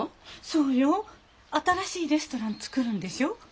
そうよ新しいレストラン作るんでしょう？